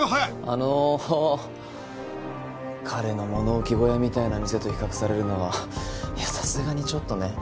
あの彼の物置小屋みたいな店と比較されるのはさすがにちょっとね。